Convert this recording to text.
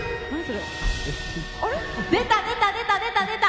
出た出た出た出た出た！